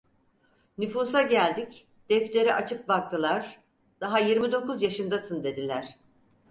Nüfusa geldik, defteri açıp baktılar, daha yirmi dokuz yaşındasın dediler.